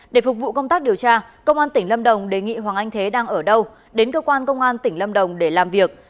để phục vụ công tác điều tra công an tỉnh lâm đồng đề nghị hoàng anh thế đang ở đâu đến cơ quan công an tỉnh lâm đồng để làm việc